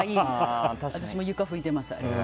私も床拭いてます。